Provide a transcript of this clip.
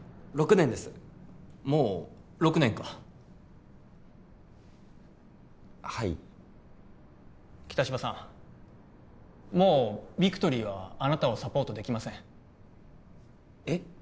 ６年ですもう６年かはい北芝さんもうビクトリーはあなたをサポートできませんえっ？